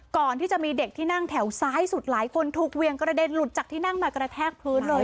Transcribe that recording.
ก่อนที่จะมีเด็กที่นั่งแถวซ้ายสุดหลายคนถูกเวียงกระเด็นหลุดจากที่นั่งมากระแทกพื้นเลย